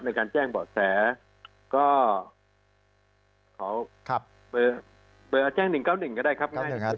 ในการแจ้งเบาะแสก็ขอเบอร์แจ้ง๑๙๑ก็ได้ครับง่ายครับ